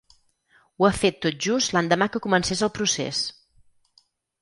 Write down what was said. Ho ha fet tot just l’endemà que comencés el procés.